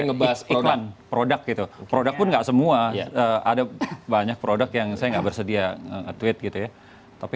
ngebahas kronan produk itu produknya semua ada banyak produk yang saya gak bersedia tujuan tapi